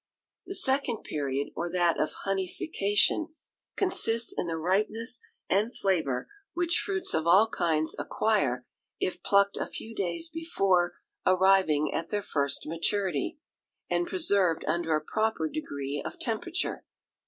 The second period, or that of Honeyfication, consists in the ripeness and flavour which fruits of all kinds acquire if plucked a few days before arriving at their first maturity, and preserved under a proper degree of temperature.